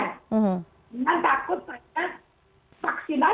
bukan takut pada vaksinasi